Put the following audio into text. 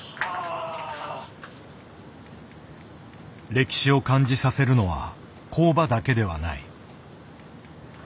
歴史を感じさせるのは工場だけではない。